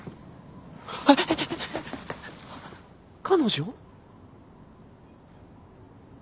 彼女？